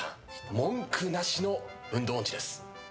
文句なしの運動音痴です。